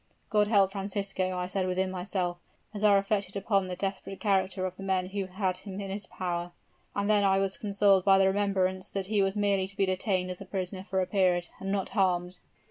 'God help Francisco,' I said within myself, as I reflected upon the desperate character of the men who had him in their power; and then I was consoled by the remembrance that he was merely to be detained as a prisoner for a period, and not harmed."